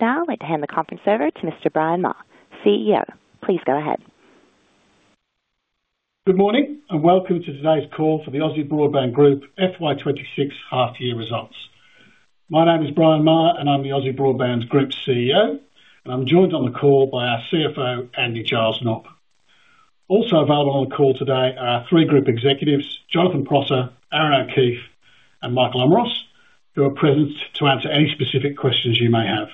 Now I'd like to hand the conference over to Mr. Brian Maher, CEO. Please go ahead. Good morning, and welcome to today's call for the Aussie Broadband Group FY 2026 half year results. My name is Brian Maher, and I'm the Aussie Broadband's Group CEO, and I'm joined on the call by our CFO, Andy Giles Knopp. Also available on the call today are our three group executives, Jonathan Prosser, Aaron O'Keeffe, and Michael Omeros, who are present to answer any specific questions you may have.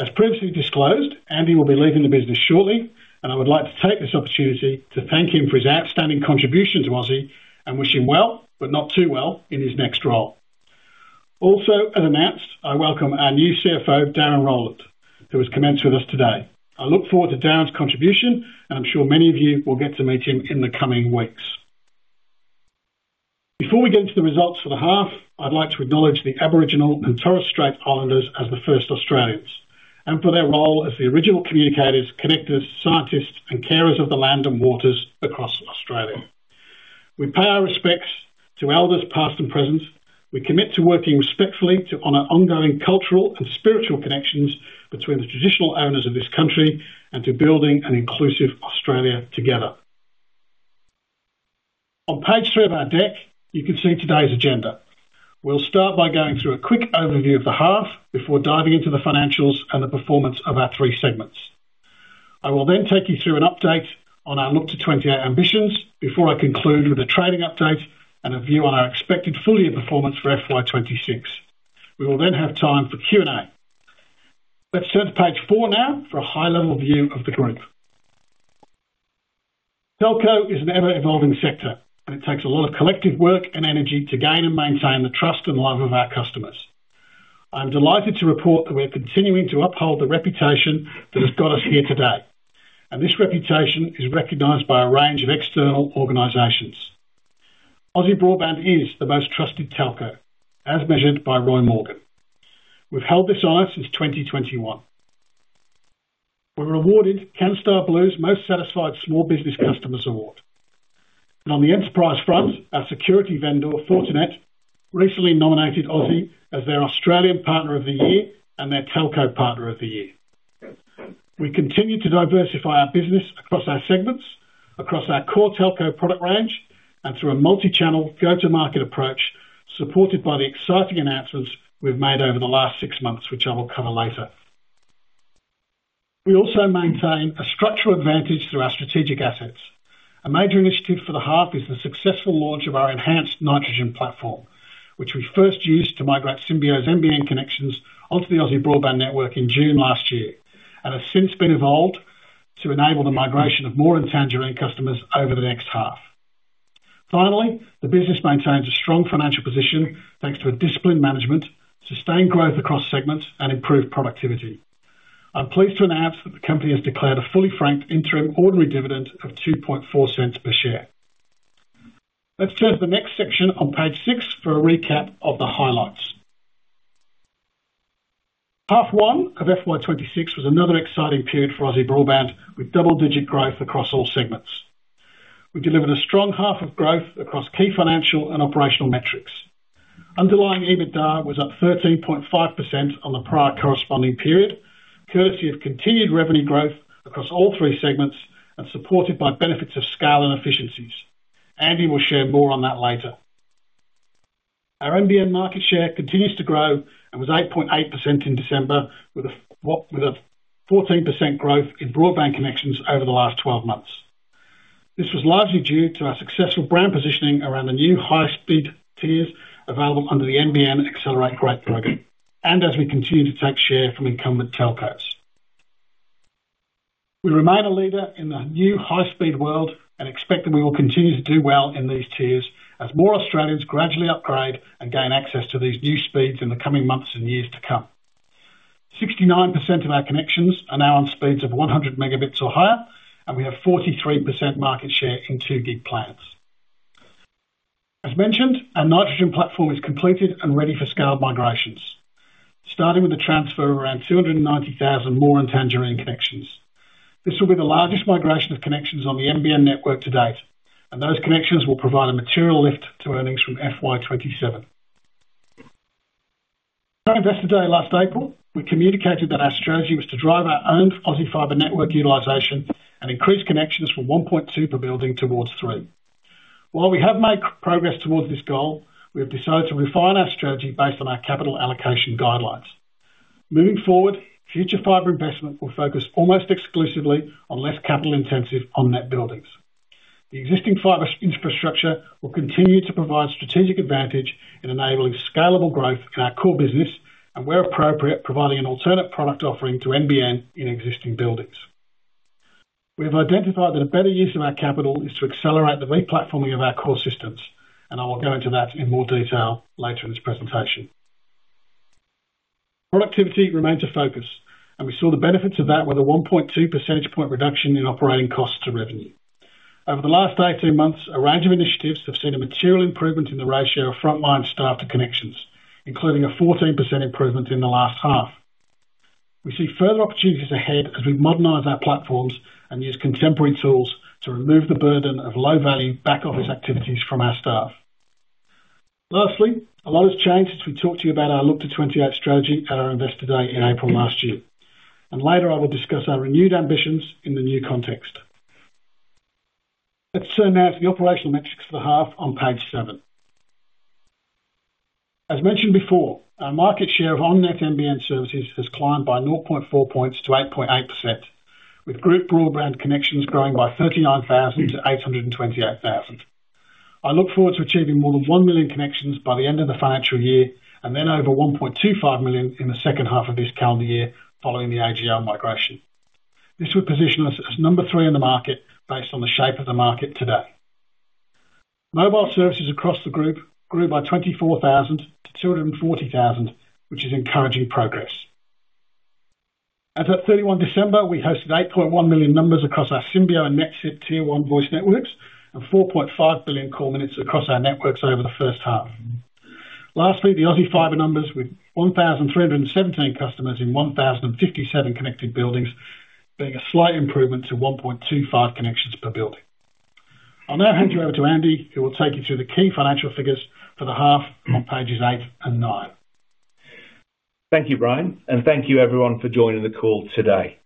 As previously disclosed, Andy will be leaving the business shortly, and I would like to take this opportunity to thank him for his outstanding contribution to Aussie and wish him well, but not too well in his next role. Also, as announced, I welcome our new CFO, Darren Rowland, who has commenced with us today. I look forward to Darren's contribution, and I'm sure many of you will get to meet him in the coming weeks. Before we get into the results for the half, I'd like to acknowledge the Aboriginal and Torres Strait Islanders as the first Australians, and for their role as the original communicators, connectors, scientists, and carers of the land and waters across Australia. We pay our respects to elders, past and present. We commit to working respectfully to honor ongoing cultural and spiritual connections between the traditional owners of this country and to building an inclusive Australia together. On page 3 of our deck, you can see today's agenda. We'll start by going through a quick overview of the half before diving into the financials and the performance of our three segments. I will then take you through an update on our Look to 28 ambitions before I conclude with a trading update and a view on our expected full year performance for FY 2026. We will then have time for Q&A. Let's turn to page four now for a high-level view of the group. Telco is an ever-evolving sector, and it takes a lot of collective work and energy to gain and maintain the trust and love of our customers. I'm delighted to report that we're continuing to uphold the reputation that has got us here today. This reputation is recognized by a range of external organizations. Aussie Broadband is the most trusted telco, as measured by Roy Morgan. We've held this honor since 2021. We were awarded Canstar Blue's Most Satisfied Small Business Customers Award. On the enterprise front, our security vendor, Fortinet, recently nominated Aussie as their Australian Partner of the Year and their Telco Partner of the Year. We continue to diversify our business across our segments, across our core telco product range, and through a multi-channel go-to-market approach, supported by the exciting announcements we've made over the last six months, which I will cover later. We also maintain a structural advantage through our strategic assets. A major initiative for the half is the successful launch of our enhanced Nitrogen platform, which we first used to migrate Symbio's NBN connections onto the Aussie Broadband network in June last year, and has since been evolved to enable the migration of More and Tangerine customers over the next half. The business maintains a strong financial position, thanks to a disciplined management, sustained growth across segments and improved productivity. I'm pleased to announce that the company has declared a fully franked interim ordinary dividend of 0.024 per share. Let's turn to the next section on page 6 for a recap of the highlights. Half 1 of FY 2026 was another exciting period for Aussie Broadband, with double-digit growth across all segments. We delivered a strong half of growth across key financial and operational metrics. Underlying EBITDA was up 13.5% on the prior corresponding period, courtesy of continued revenue growth across all 3 segments and supported by benefits of scale and efficiencies. Andy will share more on that later. Our NBN market share continues to grow and was 8.8% in December, with a with a 14% growth in broadband connections over the last 12 months. This was largely due to our successful brand positioning around the new high-speed tiers available under the NBN Accelerate Great program, as we continue to take share from incumbent telcos. We remain a leader in the new high-speed world and expect that we will continue to do well in these tiers as more Australians gradually upgrade and gain access to these new speeds in the coming months and years to come. 69% of our connections are now on speeds of 100 Mbps or higher, and we have 43% market share in 2 gig plans. As mentioned, our Nitrogen platform is completed and ready for scaled migrations, starting with the transfer of around 290,000 More and Tangerine connections. This will be the largest migration of connections on the NBN network to date, and those connections will provide a material lift to earnings from FY 2027. Our Investor Day last April, we communicated that our strategy was to drive our own Aussie Fibre network utilization and increase connections from 1.2 per building towards 3. While we have made progress towards this goal, we have decided to refine our strategy based on our capital allocation guidelines. Moving forward, future Fibre investment will focus almost exclusively on less capital-intensive on-net buildings. The existing Fibre infrastructure will continue to provide strategic advantage in enabling scalable growth in our core business and, where appropriate, providing an alternate product offering to NBN in existing buildings. We have identified that a better use of our capital is to accelerate the replatforming of our core systems, and I will go into that in more detail later in this presentation. Productivity remains a focus. We saw the benefits of that with a 1.2 percentage point reduction in operating costs to revenue. Over the last 18 months, a range of initiatives have seen a material improvement in the ratio of frontline staff to connections, including a 14% improvement in the last half. We see further opportunities ahead as we modernize our platforms and use contemporary tools to remove the burden of low-value back-office activities from our staff. Lastly, a lot has changed since we talked to you about our Look to 28 strategy at our Investor Day in April last year, and later I will discuss our renewed ambitions in the new context. Let's turn now to the operational metrics for the half on page 7. As mentioned before, our market share of on-net NBN services has climbed by 0.4 points to 8.8%, with group broadband connections growing by 39,000 to 828,000. I look forward to achieving more than 1 million connections by the end of the financial year, and then over 1.25 million in the second half of this calendar year, following the AGL migration. This would position us as number three in the market, based on the shape of the market today. Mobile services across the group grew by 24,000 to 240,000, which is encouraging progress. As at 31 December, we hosted 8.1 million numbers across our Symbio and NetSIP Tier One voice networks, and 4.5 billion core minutes across our networks over the first half. Lastly, the Aussie Fibre numbers, with 1,317 customers in 1,057 connected buildings, being a slight improvement to 1.25 connections per building. I'll now hand you over to Andy, who will take you through the key financial figures for the half on pages eight and nine. Thank you, Brian, thank you everyone for joining the call today.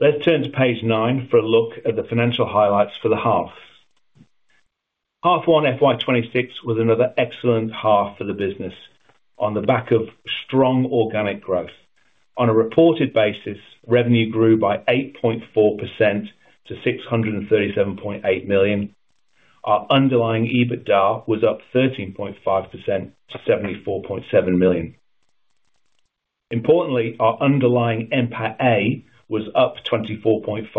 Let's turn to page 9 for a look at the financial highlights for the half. Half 1, FY 2026 was another excellent half for the business on the back of strong organic growth. On a reported basis, revenue grew by 8.4% to 637.8 million. Our underlying EBITDA was up 13.5% to 74.7 million. Importantly, our underlying NPAT-A was up 24.5%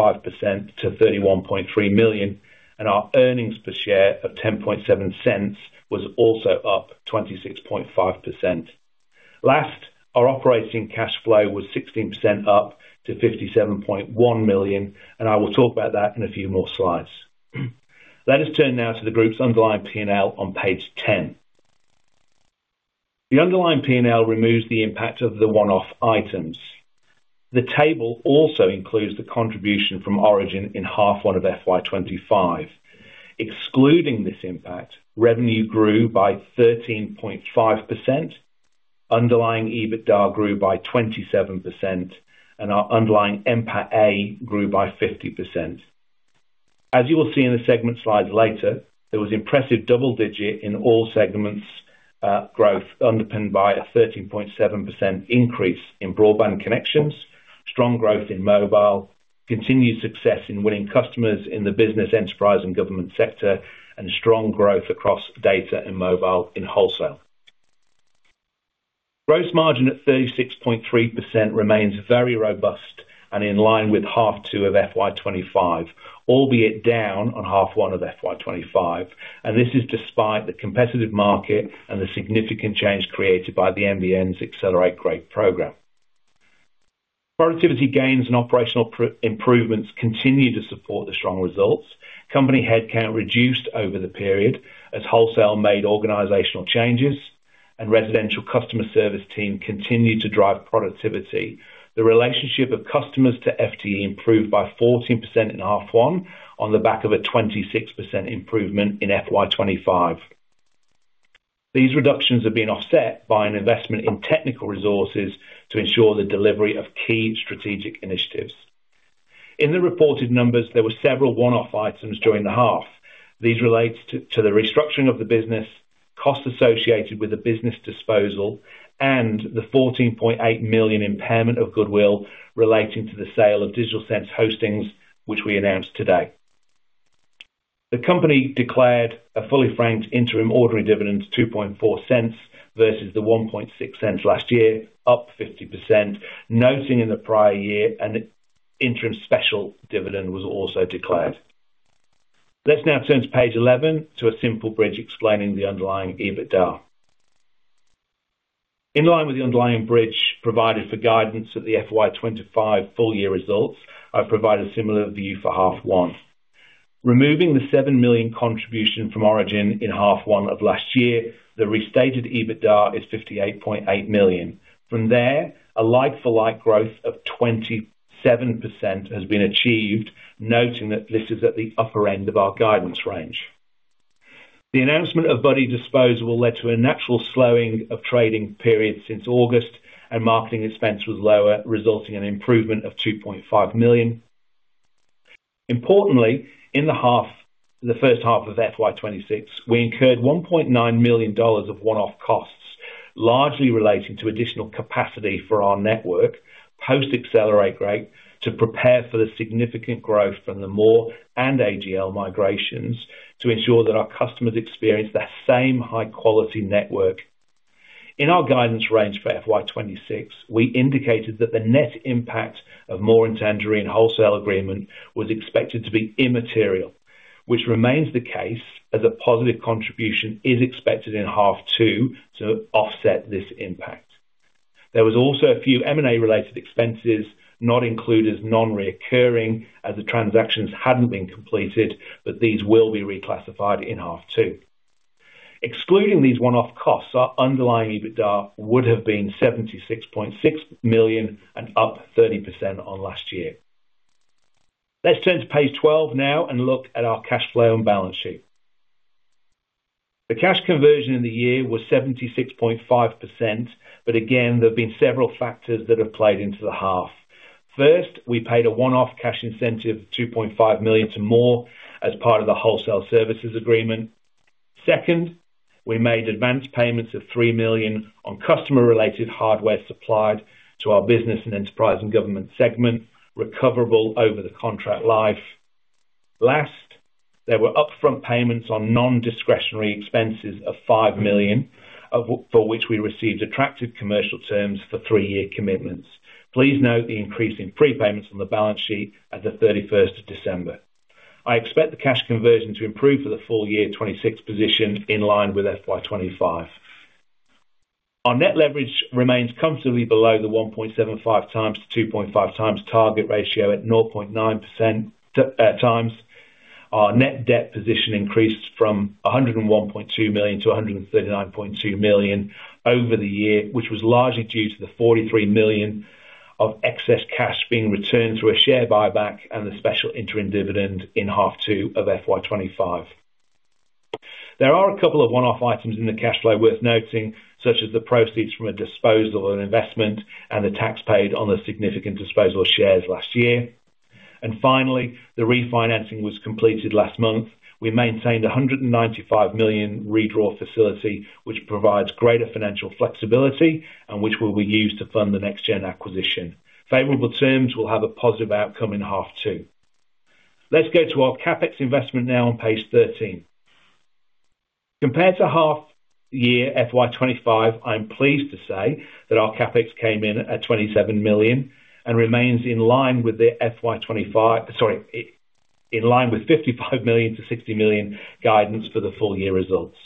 to 31.3 million, and our earnings per share of 0.107 was also up 26.5%. Last, our operating cash flow was 16% up to 57.1 million, and I will talk about that in a few more slides. Let us turn now to the group's underlying P&L on page 10. The underlying P&L removes the impact of the one-off items. The table also includes the contribution from Origin in half 1 of FY 2025. Excluding this impact, revenue grew by 13.5%, underlying EBITDA grew by 27%, and our underlying NPAT-A grew by 50%. As you will see in the segment slides later, there was impressive double digit in all segments, growth, underpinned by a 13.7% increase in broadband connections, strong growth in mobile, continued success in winning customers in the business, enterprise, and government sector, and strong growth across data and mobile in wholesale. Gross margin at 36.3% remains very robust and in line with half 2 of FY 2025, albeit down on half 1 of FY 2025. This is despite the competitive market and the significant change created by the NBN's Accelerate Great program. Productivity gains and operational improvements continue to support the strong results. Company headcount reduced over the period as wholesale made organizational changes, and residential customer service team continued to drive productivity. The relationship of customers to FTE improved by 14% in half 1, on the back of a 26% improvement in FY 2025. These reductions are being offset by an investment in technical resources to ensure the delivery of key strategic initiatives. In the reported numbers, there were several one-off items during the half. These relates to the restructuring of the business, costs associated with the business disposal, and the 14.8 million impairment of goodwill relating to the sale of Digital Sense Hosting, which we announced today. The company declared a fully franked interim ordinary dividend of 0.024 versus the 0.016 last year, up 50%, noting in the prior year, an interim special dividend was also declared. Let's now turn to page 11, to a simple bridge explaining the underlying EBITDA. In line with the underlying bridge provided for guidance at the FY 2025 full year results, I provide a similar view for H1. Removing the 7 million contribution from Origin in H1 of last year, the restated EBITDA is 58.8 million. From there, a like-for-like growth of 27% has been achieved, noting that this is at the upper end of our guidance range. The announcement of buddii disposal led to a natural slowing of trading periods since August, and marketing expense was lower, resulting in an improvement of 2.5 million. Importantly, in the half, the first half of FY 2026, we incurred 1.9 million dollars of one-off costs, largely relating to additional capacity for our network, post Accelerate Great, to prepare for the significant growth from the More and AGL migrations to ensure that our customers experience the same high quality network. In our guidance range for FY 2026, we indicated that the net impact of More and Tangerine wholesale agreement was expected to be immaterial, which remains the case, as a positive contribution is expected in half 2, to offset this impact. There was also a few M&A-related expenses not included as non-recurring, as the transactions hadn't been completed, but these will be reclassified in half 2. Excluding these one-off costs, our underlying EBITDA would have been 76.6 million and up 30% on last year. Let's turn to page 12 now and look at our cash flow and balance sheet. The cash conversion in the year was 76.5%. Again, there have been several factors that have played into the half. First, we paid a one-off cash incentive of 2.5 million to More as part of the wholesale services agreement. Second, we made advance payments of 3 million on customer-related hardware supplied to our Business, Enterprise & Government segment, recoverable over the contract life. Last, there were upfront payments on non-discretionary expenses of 5 million, for which we received attractive commercial terms for three-year commitments. Please note the increase in prepayments on the balance sheet at the 31st of December. I expect the cash conversion to improve for the full year 2026 position in line with FY 2025. Our net leverage remains comfortably below the 1.75 times to 2.5 times target ratio at 0.9% at times. Our net debt position increased from 101.2 million to 139.2 million over the year, which was largely due to the 43 million of excess cash being returned through a share buyback and the special interim dividend in half two of FY 2025. There are a couple of one-off items in the cash flow worth noting, such as the proceeds from a disposal and investment, and the tax paid on the significant disposal shares last year. Finally, the refinancing was completed last month. We maintained 195 million redraw facility, which provides greater financial flexibility and which will be used to fund the Nexgen acquisition. Favorable terms will have a positive outcome in half 2. Let's go to our CapEx investment now on page 13. Compared to half year FY 2025, I'm pleased to say that our CapEx came in at 27 million and remains in line with the FY 2025 in line with 55 million-60 million guidance for the full year results.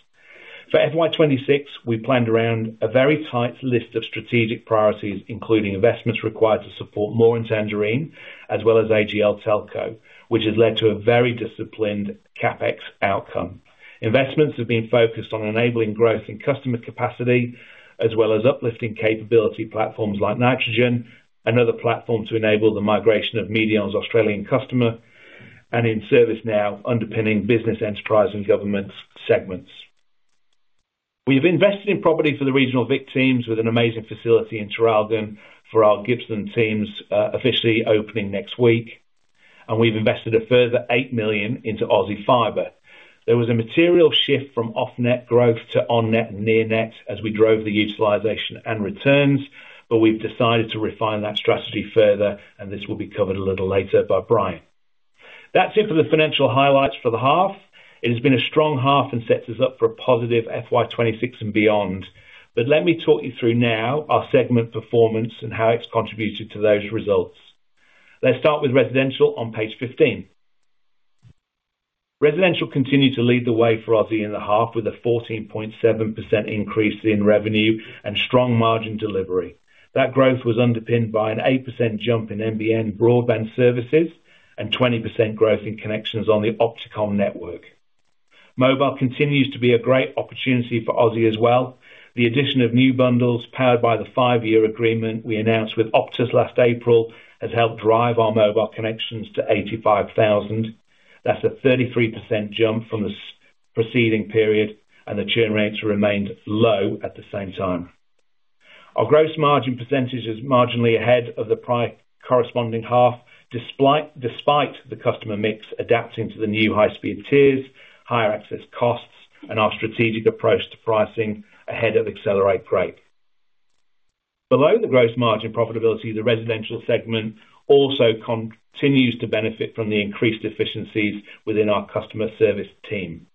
For FY 2026, we planned around a very tight list of strategic priorities, including investments required to support More and Tangerine, as well as AGL Telco, which has led to a very disciplined CapEx outcome. Investments have been focused on enabling growth in customer capacity, as well as uplifting capability platforms like Nitrogen and other platforms to enable the migration of AGL's Australian customer and in ServiceNow underpinning business, enterprise, and government segments. We've invested in property for the regional Vic teams with an amazing facility in Traralgon for our Gippsland teams, officially opening next week, and we've invested a further 8 million into Aussie Fibre. There was a material shift from off-net growth to on-net and near-net as we drove the utilization and returns. We've decided to refine that strategy further, and this will be covered a little later by Brian. That's it for the financial highlights for the half. It has been a strong half and sets us up for a positive FY 2026 and beyond. Let me talk you through now our segment performance and how it's contributed to those results. Let's start with residential on page 15. Residential continued to lead the way for Aussie in the half, with a 14.7% increase in revenue and strong margin delivery. That growth was underpinned by an 8% jump in NBN broadband services and 20% growth in connections on the OptiComm network. Mobile continues to be a great opportunity for Aussie as well. The addition of new bundles, powered by the 5-year agreement we announced with Optus last April, has helped drive our mobile connections to 85,000. That's a 33% jump from the preceding period, and the churn rates remained low at the same time. Our gross margin percentage is marginally ahead of the corresponding half, despite the customer mix adapting to the new high-speed tiers, higher access costs, and our strategic approach to pricing ahead of Accelerate Great. Below the gross margin profitability, the residential segment also continues to benefit from the increased efficiencies within our customer service team.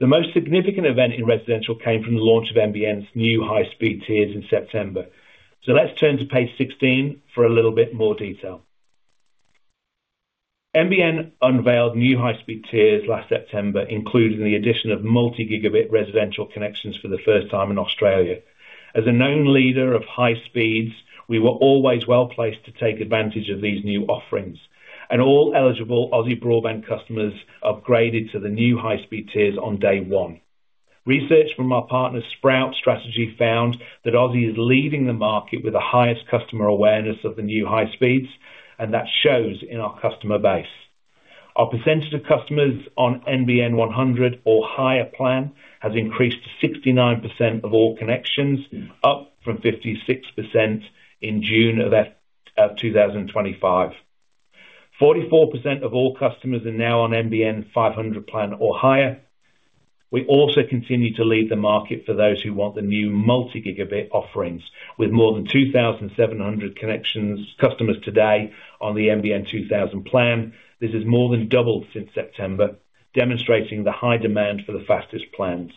The most significant event in residential came from the launch of NBN's new high-speed tiers in September. Let's turn to page 16 for a little bit more detail. NBN unveiled new high-speed tiers last September, including the addition of multi-gigabit residential connections for the first time in Australia. As a known leader of high speeds, we were always well placed to take advantage of these new offerings, and all eligible Aussie Broadband customers upgraded to the new high-speed tiers on day one. Research from our partner, Sprout Strategy, found that Aussie is leading the market with the highest customer awareness of the new high speeds. That shows in our customer base. Our percentage of customers on NBN 100 or higher plan has increased to 69% of all connections, up from 56% in June 2025. 44% of all customers are now on NBN 500 plan or higher. We also continue to lead the market for those who want the new multi-gigabit offerings, with more than 2,700 connections customers today on the NBN 2,000 plan. This has more than doubled since September, demonstrating the high demand for the fastest plans.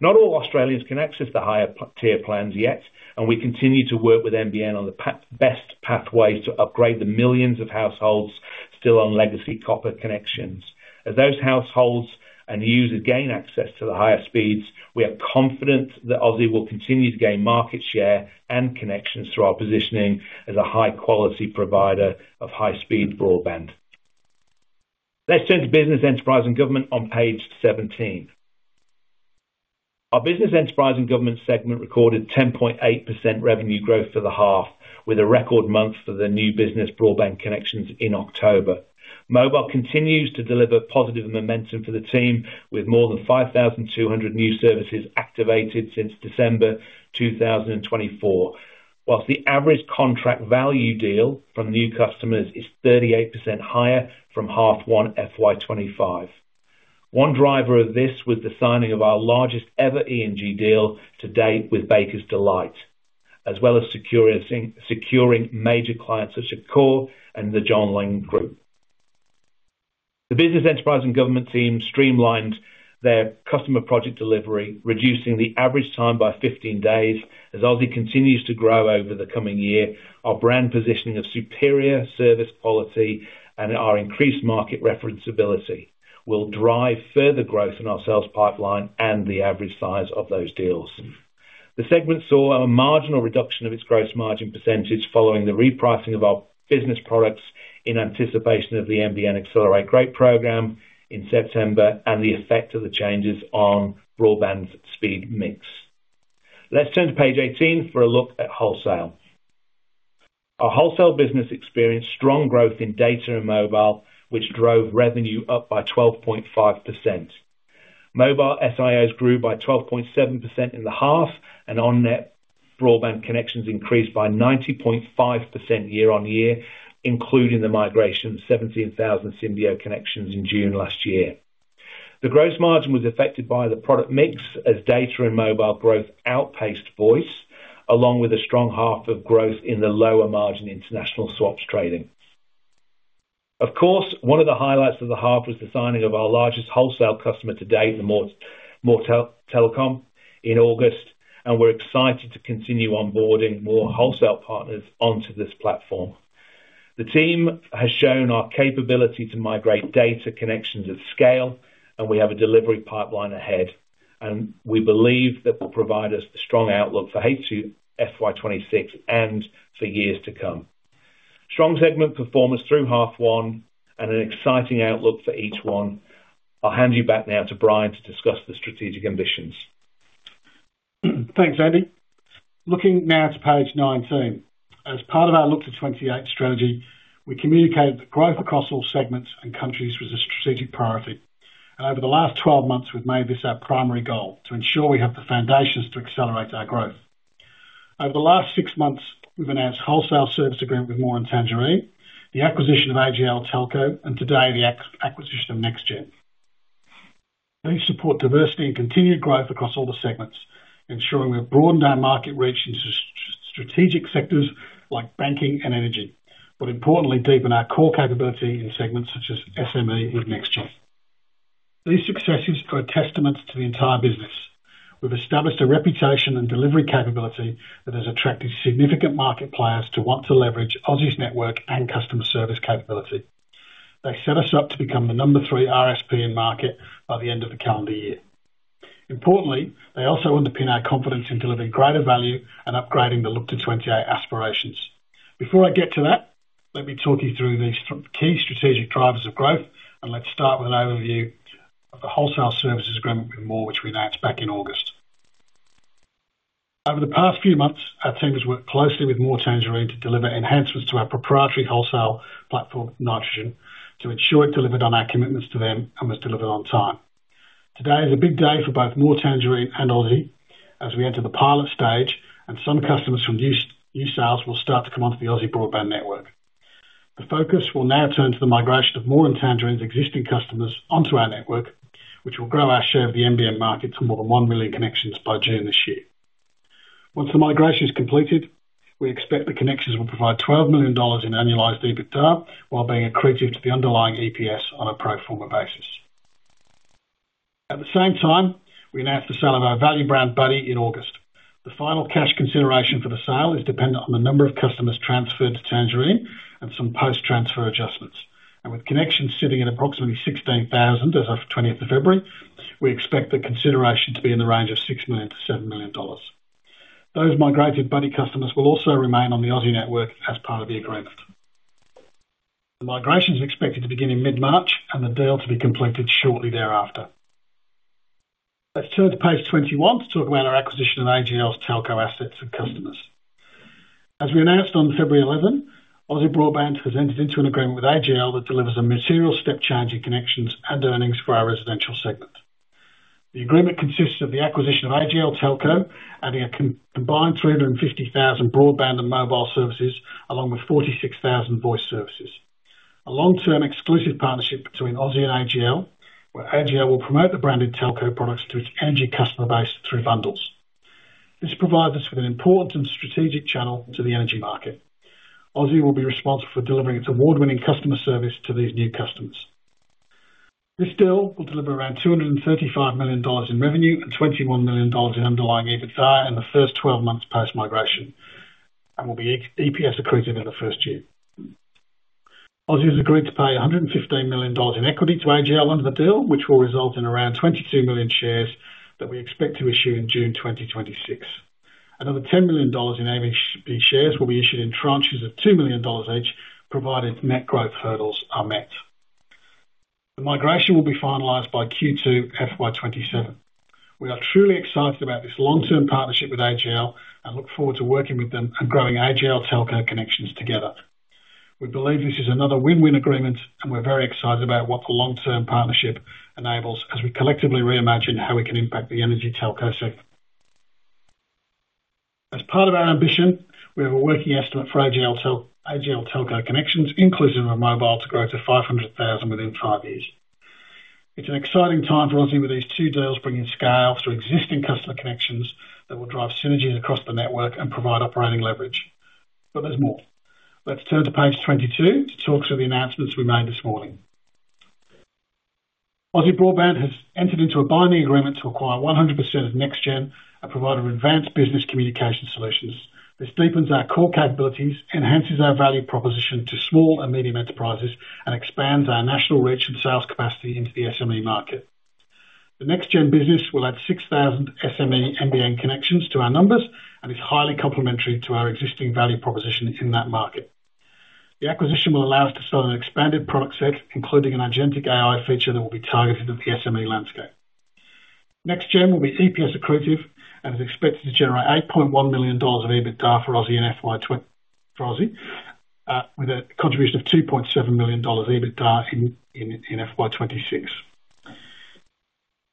Not all Australians can access the higher tier plans yet, and we continue to work with NBN on the best pathways to upgrade the millions of households still on legacy copper connections. As those households and users gain access to the higher speeds, we are confident that Aussie will continue to gain market share and connections through our positioning as a high-quality provider of high-speed broadband. Let's turn to Business, Enterprise, and Government on page 17. Our Business, Enterprise, and Government segment recorded 10.8% revenue growth for the half, with a record month for the new business broadband connections in October. Mobile continues to deliver positive momentum for the team, with more than 5,200 new services activated since December 2024. Whilst the average contract value deal from new customers is 38% higher from H1 FY 2025. One driver of this was the signing of our largest ever E&G deal to date with Bakers Delight, as well as securing major clients such as Korr and the John Laing Group. The Business, Enterprise & Government team streamlined their customer project delivery, reducing the average time by 15 days. As Aussie continues to grow over the coming year, our brand positioning of superior service quality and our increased market reference ability will drive further growth in our sales pipeline and the average size of those deals. The segment saw a marginal reduction of its gross margin percentage following the repricing of our business products in anticipation of the NBN Accelerate Great program in September, and the effect of the changes on broadband speed mix. Let's turn to page 18 for a look at wholesale. Our wholesale business experienced strong growth in data and mobile, which drove revenue up by 12.5%. Mobile SIOs grew by 12.7% in the half, on net, broadband connections increased by 90.5% year-on-year, including the migration of 17,000 Symbio connections in June last year. The gross margin was affected by the product mix as data and mobile growth outpaced voice, along with a strong half of growth in the lower margin international swaps trading. Of course, one of the highlights of the half was the signing of our largest wholesale customer to date, the More Telecom in August, and we're excited to continue onboarding more wholesale partners onto this platform. The team has shown our capability to migrate data connections at scale, and we have a delivery pipeline ahead, and we believe that will provide us a strong outlook for H2 FY 2026 and for years to come. Strong segment performance through H1 and an exciting outlook for H1. I'll hand you back now to Brian to discuss the strategic ambitions. Thanks, Andy. Looking now to page 19. As part of our Look to 28 strategy, we communicated that growth across all segments and countries was a strategic priority, and over the last 12 months, we've made this our primary goal: to ensure we have the foundations to accelerate our growth. Over the last 6 months, we've announced wholesale service agreement with More and Tangerine, the acquisition of AGL Telco, and today, the acquisition of Nexgen. We support diversity and continued growth across all the segments, ensuring we've broadened our market reach into strategic sectors like banking and energy, but importantly, deepen our core capability in segments such as SME with Nexgen. These successes are a testament to the entire business. We've established a reputation and delivery capability that has attracted significant market players to want to leverage Aussie's network and customer service capability. They set us up to become the number three RSP in market by the end of the calendar year. Importantly, they also underpin our confidence in delivering greater value and upgrading the Look to 28 aspirations. Before I get to that, let me talk you through the key strategic drivers of growth. Let's start with an overview of the wholesale services agreement with More, which we announced back in August. Over the past few months, our team has worked closely with More Tangerine to deliver enhancements to our proprietary wholesale platform, Nitrogen, to ensure it delivered on our commitments to them and was delivered on time. Today is a big day for both More Tangerine and Aussie as we enter the pilot stage and some customers from new new sales will start to come onto the Aussie Broadband network. The focus will now turn to the migration of More and Tangerine's existing customers onto our network, which will grow our share of the NBN market to more than 1 million connections by June this year. Once the migration is completed, we expect the connections will provide 12 million dollars in annualized EBITDA, while being accretive to the underlying EPS on a pro forma basis. At the same time, we announced the sale of our value brand, buddii, in August. The final cash consideration for the sale is dependent on the number of customers transferred to Tangerine and some post-transfer adjustments, and with connections sitting at approximately 16,000 as of 20th of February, we expect the consideration to be in the range of 6 million-7 million dollars. Those migrated buddii customers will also remain on the Aussie network as part of the agreement. The migration is expected to begin in mid-March, and the deal to be completed shortly thereafter. Let's turn to page 21 to talk about our acquisition of AGL's Telco assets and customers. As we announced on February 11, Aussie Broadband has entered into an agreement with AGL that delivers a material step change in connections and earnings for our residential segment. The agreement consists of the acquisition of AGL Telco, adding a combined 350,000 broadband and mobile services, along with 46,000 voice services. A long-term exclusive partnership between Aussie and AGL, where AGL will promote the branded telco products to its energy customer base through bundles. This provides us with an important and strategic channel to the energy market. Aussie will be responsible for delivering its award-winning customer service to these new customers. This deal will deliver around 235 million dollars in revenue and 21 million dollars in underlying EBITDA in the first 12 months post-migration, and will be EPS accretive in the first year. Aussie has agreed to pay 115 million dollars in equity to AGL under the deal, which will result in around 22 million shares that we expect to issue in June 2026. Another 10 million dollars in AMP shares will be issued in tranches of 2 million dollars each, provided net growth hurdles are met. The migration will be finalized by Q2 FY 2027. We are truly excited about this long-term partnership with AGL, and look forward to working with them and growing AGL Telco connections together. We believe this is another win-win agreement, and we're very excited about what the long-term partnership enables as we collectively reimagine how we can impact the energy telco sector. As part of our ambition, we have a working estimate for AGL Telco connections, inclusive of mobile, to grow to 500,000 within 5 years. It's an exciting time for Aussie with these two deals bringing scale to existing customer connections that will drive synergies across the network and provide operating leverage. There's more. Let's turn to page 22 to talk through the announcements we made this morning. Aussie Broadband has entered into a binding agreement to acquire 100% of Nexgen, a provider of advanced business communication solutions. This deepens our core capabilities, enhances our value proposition to small and medium enterprises, and expands our national reach and sales capacity into the SME market. The Nexgen business will add 6,000 SME NBN connections to our numbers and is highly complementary to our existing value proposition in that market. The acquisition will allow us to sell an expanded product set, including an agentic AI feature that will be targeted at the SME landscape. Nexgen will be EPS accretive and is expected to generate 8.1 million dollars of EBITDA for Aussie in FY for Aussie, with a contribution of 2.7 million dollars EBITDA in FY 2026.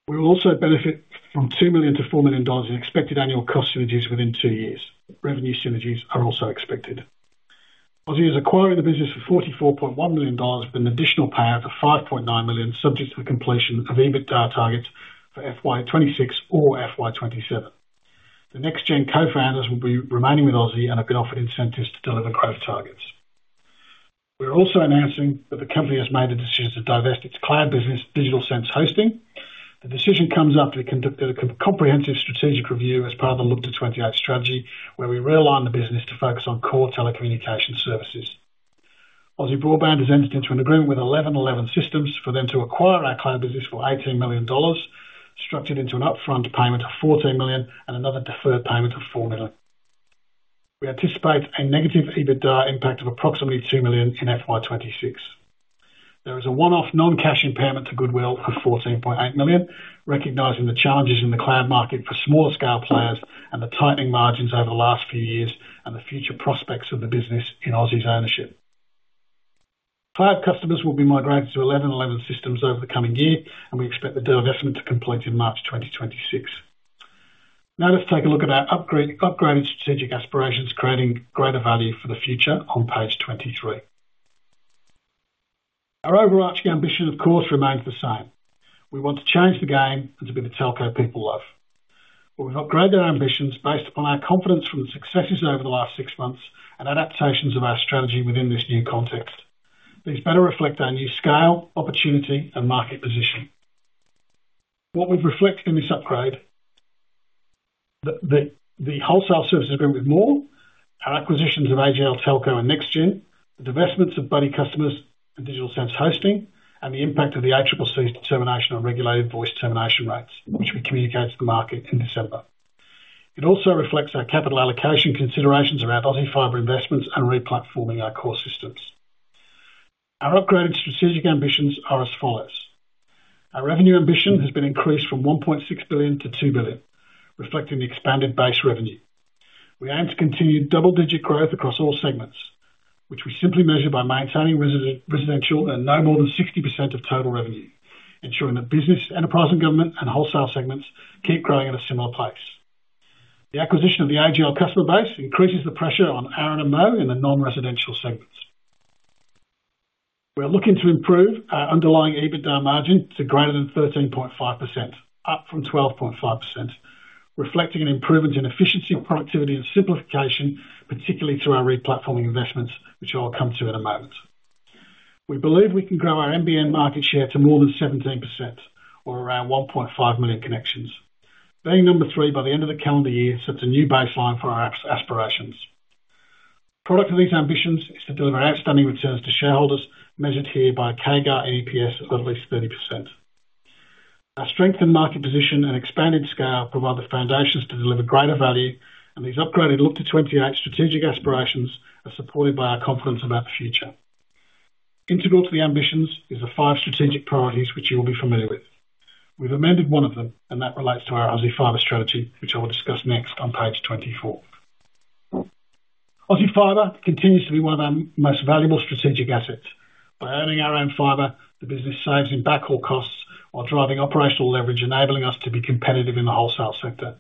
We will also benefit from 2 million-4 million dollars in expected annual cost synergies within two years. Revenue synergies are also expected. Aussie is acquiring the business for 44.1 million dollars, with an additional payout of 5.9 million, subject to the completion of EBITDA targets for FY 2026 or FY 2027. The Nexgen co-founders will be remaining with Aussie and have been offered incentives to deliver growth targets. We're also announcing that the company has made the decision to divest its cloud business, Digital Sense Hosting. The decision comes after the comprehensive strategic review as part of the Look to 28 strategy, where we realigned the business to focus on core telecommunication services. Aussie Broadband has entered into an agreement with 11:11 Systems for them to acquire our cloud business for 18 million dollars, structured into an upfront payment of 14 million and another deferred payment of 4 million. We anticipate a negative EBITDA impact of approximately 2 million in FY 2026. There is a one-off non-cash impairment to goodwill of 14.8 million, recognizing the challenges in the cloud market for smaller scale players and the tightening margins over the last few years and the future prospects of the business in Aussie's ownership. Cloud customers will be migrated to 11:11 Systems over the coming year. We expect the deal investment to complete in March 2026. Let's take a look at our upgrade, upgraded strategic aspirations, creating greater value for the future on page 23. Our overarching ambition, of course, remains the same. We want to change the game and to be the telco people love. We've upgraded our ambitions based upon our confidence from the successes over the last six months and adaptations of our strategy within this new context. These better reflect our new scale, opportunity, and market position. What we've reflected in this upgrade, the wholesale service agreement with More, our acquisitions of AGL Telco and Nexgen, the divestments of buddii Customers and Digital Sense Hosting, and the impact of the ACCC's determination on regulated voice termination rates, which we communicated to the market in December. It also reflects our capital allocation considerations around Aussie Fibre investments and replatforming our core systems. Our upgraded strategic ambitions are as follows: Our revenue ambition has been increased from 1.6 billion to 2 billion, reflecting the expanded base revenue. We aim to continue double-digit growth across all segments, which we simply measure by maintaining residential at no more than 60% of total revenue, ensuring that business, enterprise, and government, and wholesale segments keep growing at a similar pace. The acquisition of the AGL customer base increases the pressure on Aaron and Mo in the non-residential segments. We are looking to improve our underlying EBITDA margin to greater than 13.5%, up from 12.5%, reflecting an improvement in efficiency, productivity, and simplification, particularly through our replatforming investments, which I'll come to in a moment. We believe we can grow our NBN market share to more than 17% or around 1.5 million connections. Being number three by the end of the calendar year sets a new baseline for our aspirations. Product of these ambitions is to deliver outstanding returns to shareholders, measured here by CAGR and EPS of at least 30%. Our strengthened market position and expanded scale provide the foundations to deliver greater value. These upgraded Look to 28 strategic aspirations are supported by our confidence about the future. Integral to the ambitions is the five strategic priorities, which you'll be familiar with. We've amended one of them, and that relates to our Aussie Fibre strategy, which I will discuss next on page 24. Aussie Fibre continues to be one of our most valuable strategic assets. By owning our own fiber, the business saves in backhaul costs while driving operational leverage, enabling us to be competitive in the wholesale sector.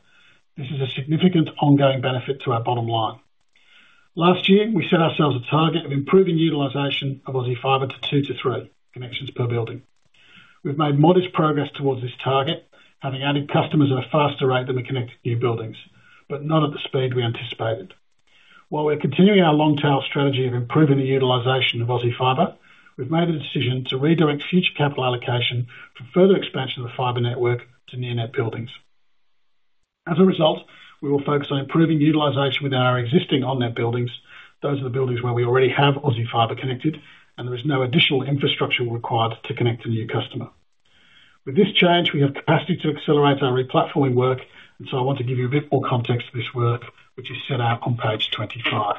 This is a significant ongoing benefit to our bottom line. Last year, we set ourselves a target of improving utilization of Aussie Fibre to two to three connections per building. We've made modest progress towards this target, having added customers at a faster rate than we connected new buildings, but not at the speed we anticipated. While we're continuing our long tail strategy of improving the utilization of Aussie Fibre, we've made a decision to redirect future capital allocation for further expansion of the fiber network to near net buildings. As a result, we will focus on improving utilization within our existing on-net buildings. Those are the buildings where we already have Aussie Fibre connected, and there is no additional infrastructure required to connect a new customer. With this change, we have capacity to accelerate our replatforming work, and so I want to give you a bit more context to this work, which is set out on page 25.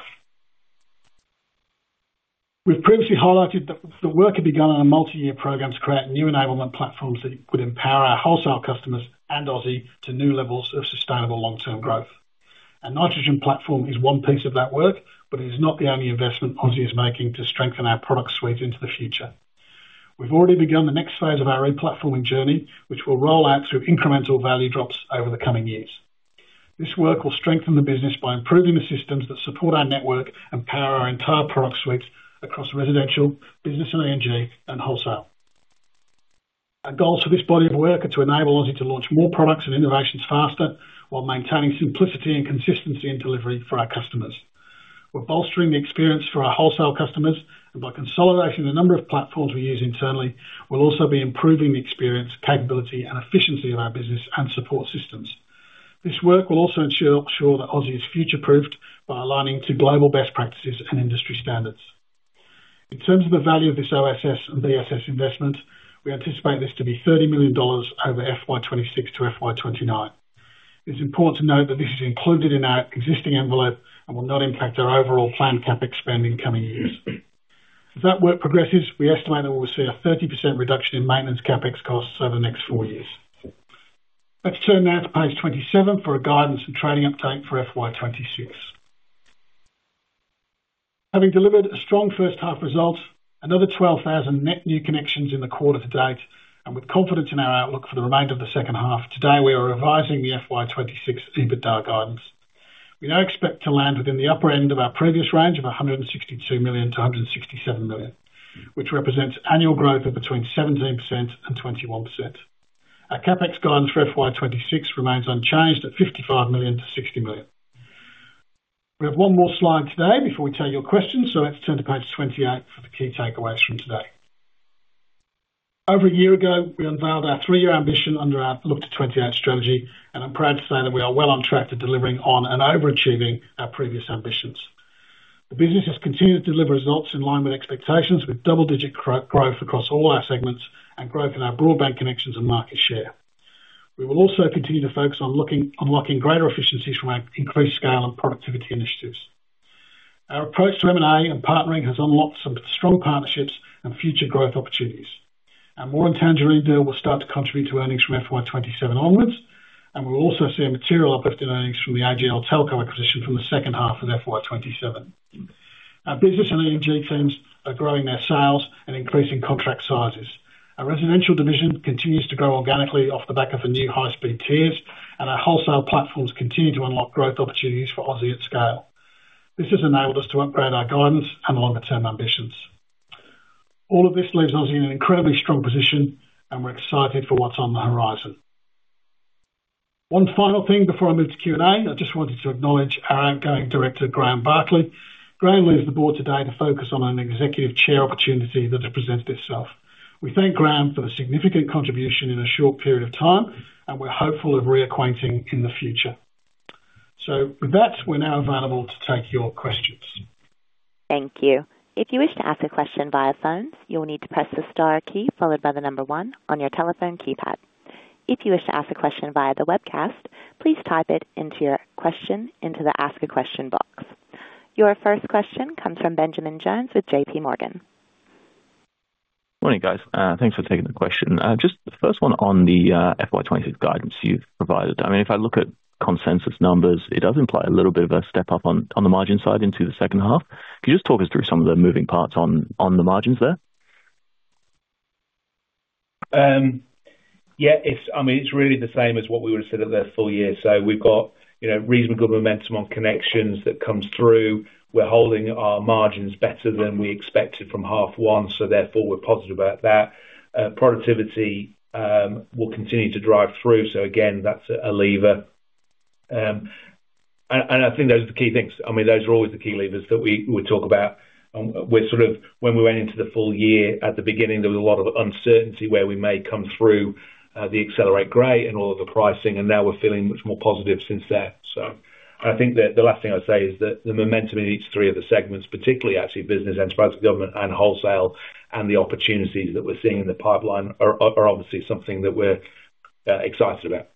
We've previously highlighted that the work had begun on a multi-year program to create new enablement platforms that could empower our wholesale customers and Aussie to new levels of sustainable long-term growth. Our Nitrogen platform is one piece of that work, but it is not the only investment Aussie is making to strengthen our product suite into the future. We've already begun the next phase of our replatforming journey, which will roll out through incremental value drops over the coming years. This work will strengthen the business by improving the systems that support our network and power our entire product suite across residential, business and energy, and wholesale. Our goals for this body of work are to enable Aussie to launch more products and innovations faster, while maintaining simplicity and consistency in delivery for our customers. We're bolstering the experience for our wholesale customers. By consolidating the number of platforms we use internally, we'll also be improving the experience, capability, and efficiency of our business and support systems. This work will also ensure that Aussie is future-proofed by aligning to global best practices and industry standards. In terms of the value of this OSS and BSS investment, we anticipate this to be 30 million dollars over FY 2026 to FY 2029. It's important to note that this is included in our existing envelope and will not impact our overall planned CapEx spend in coming years. As that work progresses, we estimate that we'll see a 30% reduction in maintenance CapEx costs over the next four years. Let's turn now to page 27 for a guidance and trading update for FY 2026. Having delivered a strong first half result, another 12,000 net new connections in the quarter to date, and with confidence in our outlook for the remainder of the second half, today, we are revising the FY 2026 EBITDA guidance. We now expect to land within the upper end of our previous range of 162 million-167 million, which represents annual growth of between 17% and 21%. Our CapEx guidance for FY 2026 remains unchanged at 55 million-60 million. We have one more slide today before we take your questions, so let's turn to page 28 for the key takeaways from today. Over a year ago, we unveiled our three-year ambition under our Look to 28 strategy, and I'm proud to say that we are well on track to delivering on and overachieving our previous ambitions. The business has continued to deliver results in line with expectations, with double-digit growth across all our segments and growth in our broadband connections and market share. We will also continue to focus on unlocking greater efficiencies from our increased scale and productivity initiatives. Our approach to M&A and partnering has unlocked some strong partnerships and future growth opportunities. Our More and Tangerine deal will start to contribute to earnings from FY 2027 onwards, and we'll also see a material uplift in earnings from the AGL Telco acquisition from the second half of FY 2027. Our business and B&EG teams are growing their sales and increasing contract sizes. Our residential division continues to grow organically off the back of the new high-speed tiers, and our wholesale platforms continue to unlock growth opportunities for Aussie at scale. This has enabled us to upgrade our guidance and longer-term ambitions. All of this leaves us in an incredibly strong position, and we're excited for what's on the horizon. One final thing before I move to Q&A. I just wanted to acknowledge our outgoing director, Graeme Barclay. Graeme leaves the board today to focus on an executive chair opportunity that has presented itself. We thank Graeme for the significant contribution in a short period of time, and we're hopeful of reacquainting in the future. With that, we're now available to take your questions. Thank you. If you wish to ask a question via phone, you will need to press the star key followed by the number one on your telephone keypad. If you wish to ask a question via the webcast, please type it into your question into the Ask a Question box. Your first question comes from Benjamin Jones with JPMorgan. Morning, guys. Thanks for taking the question. Just the first one on the FY 2026 guidance you've provided. I mean, if I look at consensus numbers, it does imply a little bit of a step-up on, on the margin side into the second half. Can you just talk us through some of the moving parts on, on the margins there? Yeah, it's, I mean, it's really the same as what we would have said at the full year. We've got, you know, reasonable momentum on connections that comes through. We're holding our margins better than we expected from half one, so therefore we're positive about that. Productivity will continue to drive through, so again, that's a, a lever. And I think those are the key things. I mean, those are always the key levers that we would talk about. We're sort of, when we went into the full year, at the beginning, there was a lot of uncertainty where we may come through, the Accelerate Great and all of the pricing, and now we're feeling much more positive since then. I think that the last thing I'd say is that the momentum in each three of the segments, particularly actually Business, Enterprise and Government, and Wholesale, and the opportunities that we're seeing in the pipeline are obviously something that we're excited about.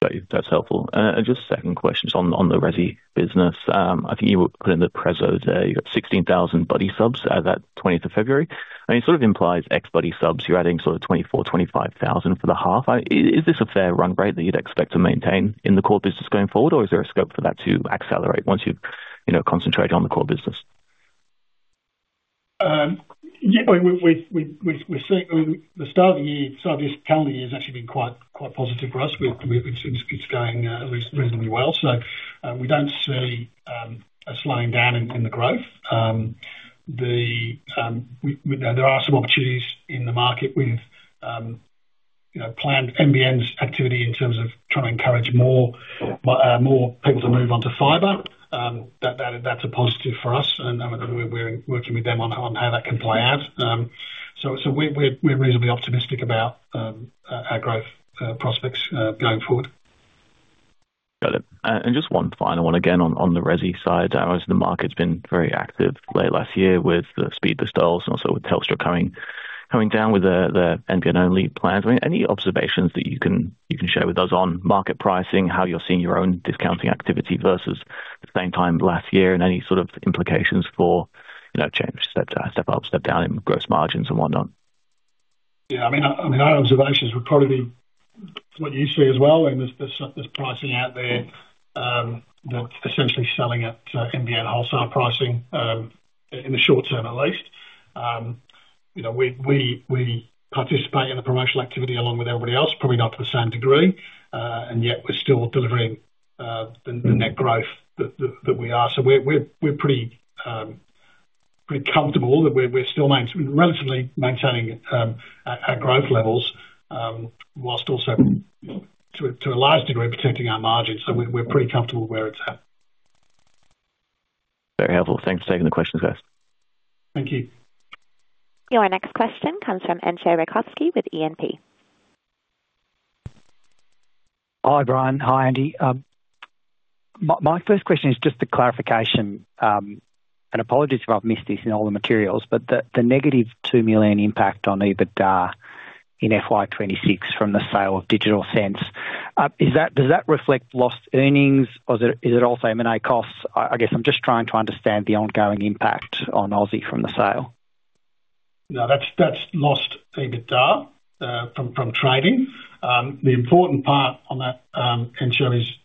Great. That's helpful. Just second question on, on the resi business. I think you were putting the preso there. You got 16,000 buddii subs as at 20th of February. I mean, it sort of implies X buddii subs, you're adding sort of 24,000-25,000 for the half. Is this a fair run rate that you'd expect to maintain in the core business going forward, or is there a scope for that to accelerate once you've, you know, concentrated on the core business? Yeah, the start of the year, start of this calendar year, has actually been quite, quite positive for us. It's going at least reasonably well. We don't see a slowing down in, in the growth. We, you know, there are some opportunities in the market with, you know, planned NBN activity in terms of trying to encourage more, more people to move on to fiber. That's a positive for us, and we're working with them on, on how that can play out. We're reasonably optimistic about our growth, prospects, going forward. Got it. Just 1 final one again on the resi side. I know the market's been very active late last year with the speed restores and also with Telstra coming down with the NBN-only plans, I mean, any observations that you can share with us on market pricing, how you're seeing your own discounting activity versus the same time last year, and any sort of implications for, you know, changes, step up, step down in gross margins and whatnot? Yeah, I mean, I, I mean, our observations would probably be what you see as well. There's, there's, there's pricing out there that's essentially selling at NBN wholesale pricing in the short term at least. You know, we, we, we participate in the promotional activity along with everybody else, probably not to the same degree. Yet we're still delivering the, the net growth that, that, that we are. We're, we're, we're pretty comfortable that we're, we're still relatively maintaining our, our growth levels whilst also, to a, to a large degree, protecting our margins. We're, we're pretty comfortable where it's at. Very helpful. Thanks for taking the questions, guys. Thank you. Your next question comes from Anjo Raczkowski with E&P. Hi, Brian. Hi, Andy. My, my first question is just a clarification, and apologies if I've missed this in all the materials, but the, the -2 million impact on EBITDA in FY 2026 from the sale of Digital Sense, is that, does that reflect lost earnings, or is it, is it also M&A costs? I, I guess I'm just trying to understand the ongoing impact on Aussie from the sale. No, that's, that's lost EBITDA from, from trading. The important part on that, Anjo, is,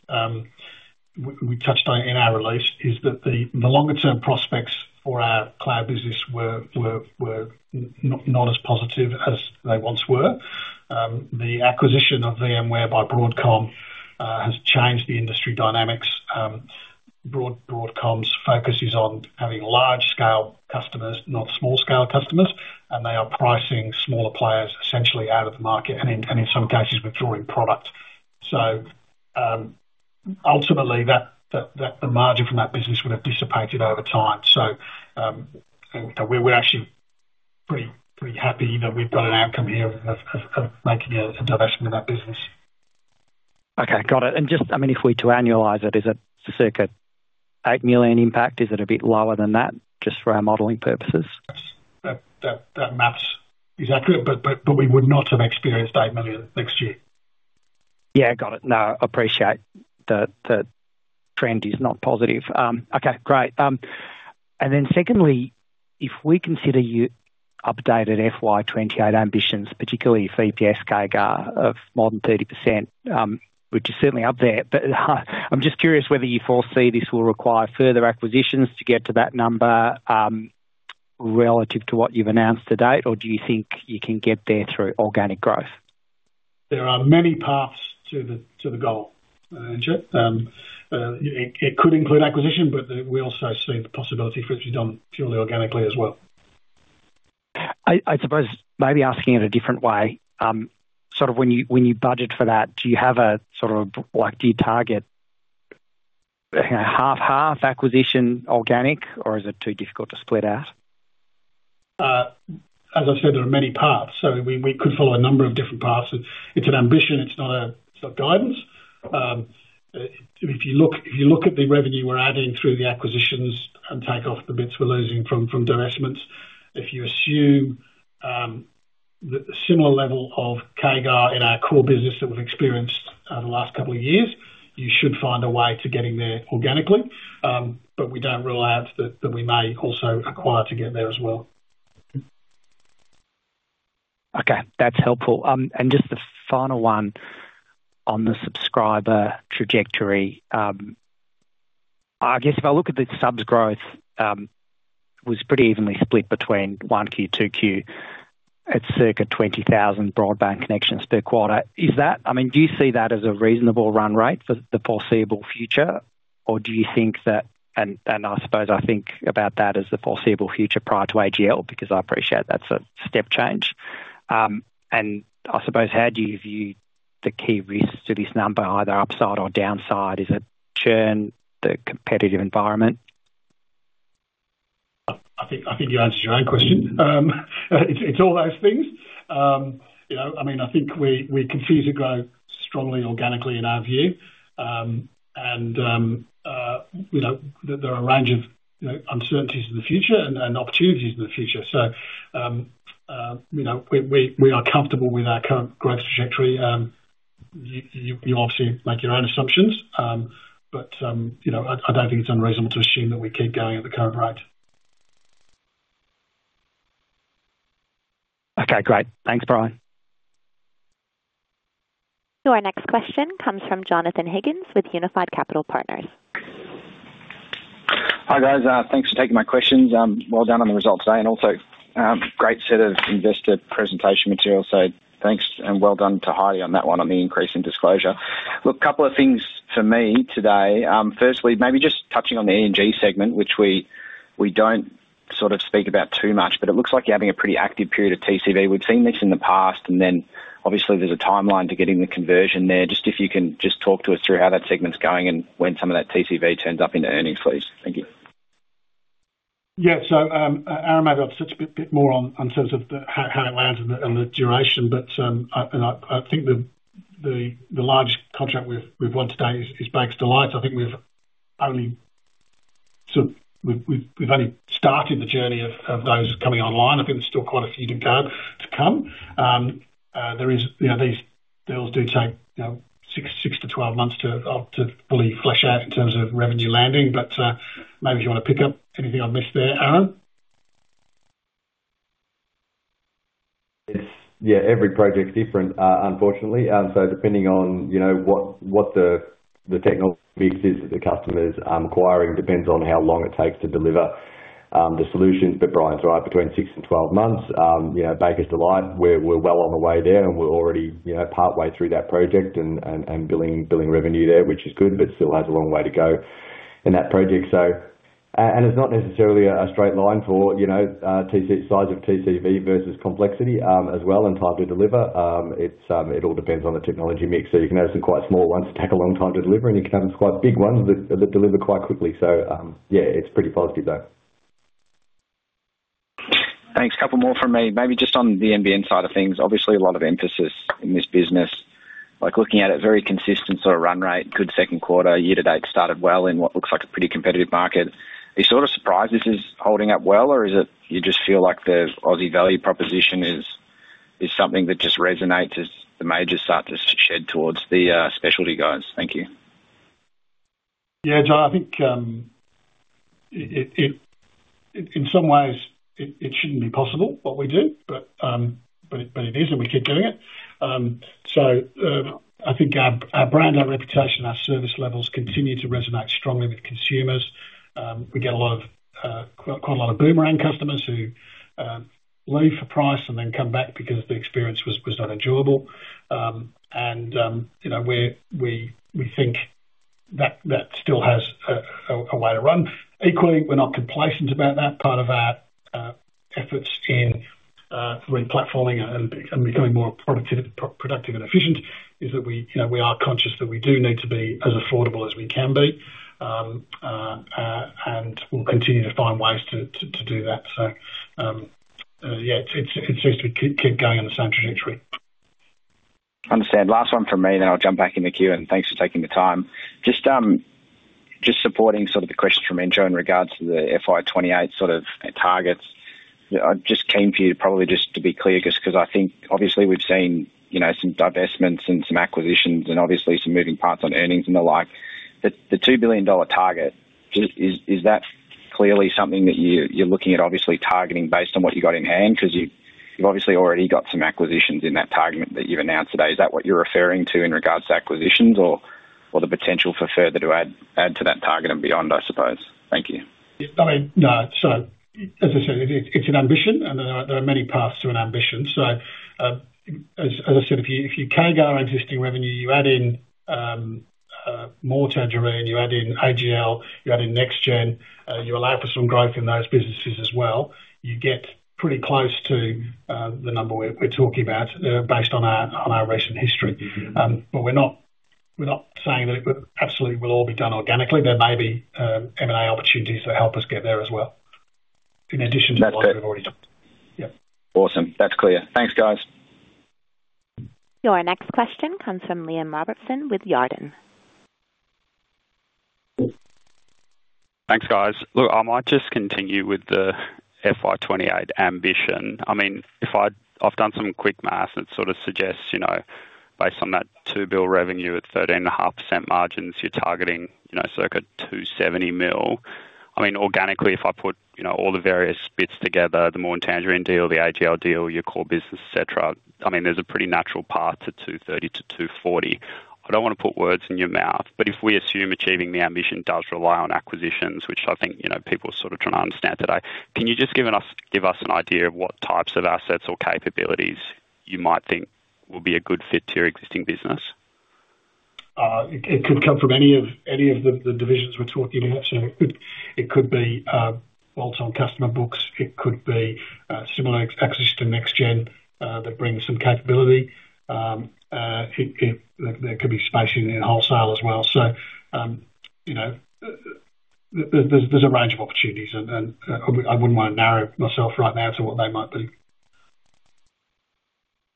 we touched on in our release, is that the, the longer term prospects for our cloud business were not as positive as they once were. The acquisition of VMware by Broadcom has changed the industry dynamics. Broadcom's focus is on having large scale customers, not small scale customers, and they are pricing smaller players essentially out of the market, and in, and in some cases, withdrawing product. Ultimately, that, that, that, the margin from that business would have dissipated over time. And we're, we're actually pretty, pretty happy that we've got an outcome here of, of, of making a divestment in that business. Okay, got it. Just, I mean, if we to annualize it, is it circa 8 million impact? Is it a bit lower than that, just for our modeling purposes? That math is accurate, but we would not have experienced 8 million next year. Yeah, got it. No, appreciate the, the trend is not positive. Okay, great. Then secondly, if we consider your updated FY 2028 ambitions, particularly EPS CAGR of more than 30%, which is certainly up there, but I'm just curious whether you foresee this will require further acquisitions to get to that number, relative to what you've announced to date, or do you think you can get there through organic growth? There are many paths to the, to the goal, Anjo. it, it could include acquisition, but we also see the possibility for it to be done purely organically as well. I, I suppose maybe asking it a different way, sort of when you, when you budget for that, do you have a sort of like, do you target, you know, 50/50 acquisition organic, or is it too difficult to split out? As I said, there are many paths, so we, we could follow a number of different paths. It's an ambition, it's not a, it's not guidance. If you look, if you look at the revenue we're adding through the acquisitions and take off the bits we're losing from, from divestments, if you assume the similar level of CAGR in our core business that we've experienced the last couple of years, you should find a way to getting there organically. We don't rule out that, that we may also acquire to get there as well. Okay, that's helpful. Just the final one on the subscriber trajectory. I guess if I look at the subs growth, was pretty evenly split between 1Q, 2Q, at circa 20,000 broadband connections per quarter. I mean, do you see that as a reasonable run rate for the foreseeable future, or do you think that, I suppose I think about that as the foreseeable future prior to AGL, because I appreciate that's a step change? I suppose, how do you view the key risks to this number, either upside or downside? Is it churn, the competitive environment? I, I think, I think you answered your own question. It's, it's all those things. You know, I mean, I think we, we continue to grow strongly, organically in our view. You know, there are a range of, you know, uncertainties in the future and, and opportunities in the future. You know, we, we, we are comfortable with our current growth trajectory. You, you, you obviously make your own assumptions, you know, I, I don't think it's unreasonable to assume that we keep going at the current rate. Okay, great. Thanks, Brian. Our next question comes from Jonathon Higgins with Unified Capital Partners. Hi, guys. Thanks for taking my questions. Well done on the results today, and also, great set of investor presentation materials. Thanks, and well done to Heidi on that one, on the increase in disclosure. Look, a couple of things for me today. Firstly, maybe just touching on the E&G segment, which we, we don't sort of speak about too much, but it looks like you're having a pretty active period of TCV. We've seen this in the past, and then obviously there's a timeline to getting the conversion there. Just if you can just talk to us through how that segment's going and when some of that TCV turns up into earnings, please. Thank you. Yeah. Aaron might have a bit, bit more on, on sense of the, how, how it lands and the, and the duration, I, and I, I think the, the, the large contract we've, we've won today is, is Bakers Delight. I think we've only started the journey of, of those coming online. I think there's still quite a few to go, to come. There is, you know, these deals do take, you know, 6-12 months to fully flesh out in terms of revenue landing. Maybe if you want to pick up anything I've missed there, Aaron? It's. Yeah, every project's different, unfortunately. Depending on, you know, what, what the, the technology mix is that the customer is acquiring, depends on how long it takes to deliver the solutions. Brian's right, between 6 and 12 months. You know, Bakers Delight, we're, we're well on the way there, and we're already, you know, partway through that project and, and, and billing, billing revenue there, which is good, but still has a long way to go in that project. And it's not necessarily a, a straight line for, you know, TC, size of TCV versus complexity as well, and time to deliver. It's, it all depends on the technology mix. You can have some quite small ones take a long time to deliver, and you can have quite big ones that, that deliver quite quickly. Yeah, it's pretty positive, though. Thanks. A couple more from me. Maybe just on the NBN side of things. Obviously, a lot of emphasis in this business, like looking at it, very consistent sort of run rate, good second quarter. Year to date started well in what looks like a pretty competitive market. Are you sort of surprised this is holding up well, or is it you just feel like the Aussie value proposition is, is something that just resonates as the majors start to shed towards the specialty guys? Thank you. Jon, I think, in some ways it, it shouldn't be possible, what we do, but it is, and we keep doing it. I think our brand, our reputation, our service levels continue to resonate strongly with consumers. We get a lot of quite a lot of boomerang customers who leave for price and then come back because the experience was not enjoyable. You know, we think that that still has a way to run. Equally, we're not complacent about that. Part of our efforts in replatforming and becoming more productive and efficient is that we, you know, we are conscious that we do need to be as affordable as we can be. We'll continue to find ways to, to, to do that. Yeah, it's, it seems to keep going in the same trajectory. Understand. Last one from me, I'll jump back in the queue, and thanks for taking the time. Just, just supporting sort of the question from Andrew in regards to the FY 2028 sort of targets. I'd just keen for you probably just to be clear, just 'cause I think obviously we've seen, you know, some divestments and some acquisitions and obviously some moving parts on earnings and the like. The, the 2 billion dollar target, is, is, is that clearly something that you, you're looking at obviously targeting based on what you've got in hand? 'Cause you've, you've obviously already got some acquisitions in that targeting that you've announced today. Is that what you're referring to in regards to acquisitions or, or the potential for further to add, add to that target and beyond, I suppose? Thank you. I mean, no. As I said, it, it's an ambition, and there are, there are many paths to an ambition. As, as I said, if you, if you carry our existing revenue, you add in More Tangerine, you add in AGL, you add in Nexgen, you allow for some growth in those businesses as well, you get pretty close to the number we're talking about, based on our recent history. Mm-hmm. We're not, we're not saying that it absolutely will all be done organically. There may be M&A opportunities that help us get there as well, in addition to. That's it. What we've already done. Yep. Awesome. That's clear. Thanks, guys. Your next question comes from Liam Robertson with Jarden. Thanks, guys. Look, I might just continue with the FY 2028 ambition. I've done some quick math that sort of suggests, you know, based on that 2 billion revenue at 13.5% margins, you're targeting, you know, circa 270 million. Organically, if I put, you know, all the various bits together, the More and Tangerine deal, the AGL deal, your core business, et cetera, there's a pretty natural path to 230 million-240 million. I don't want to put words in your mouth, but if we assume achieving the ambition does rely on acquisitions, which I think, you know, people are sort of trying to understand today, can you just give us, give us an idea of what types of assets or capabilities you might think will be a good fit to your existing business? It, it could come from any of, any of the, the divisions we're talking about. It could, it could be, bolts on customer books, it could be, similar access to Nexgen, that brings some capability. It, it, there could be spacing in wholesale as well. You know, there, there, there's a range of opportunities and, and I, I wouldn't want to narrow myself right now to what they might be.